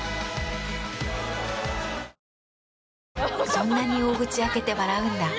そんなに大口開けて笑うんだ。